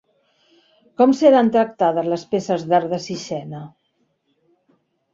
Com seran tractades les peces d'art de Sixena?